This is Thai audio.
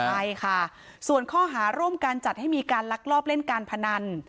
ใช่ค่ะส่วนข้อหาร่วมการจัดให้มีการลักลอบเล่นการพนัน